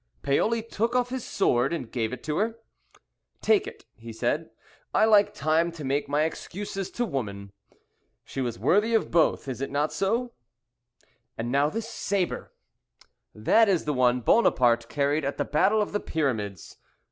"Paoli took off his sword and gave it to her. "'Take it,' he said, 'I like time to make my excuses to woman.'" "She was worthy of both is it not so?" "And now this sabre?" "That is the one Buonaparte carried at the battle of the Pyramids."